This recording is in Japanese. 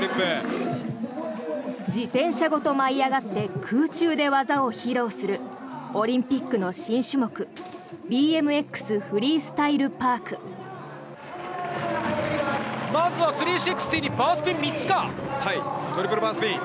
自転車ごと舞い上がって空中で技を披露するオリンピックの新種目ＢＭＸフリースタイルパーク。